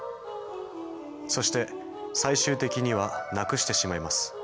そして最終的にはなくしてしまいます。